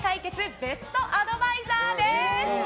ベストアドバイザーです。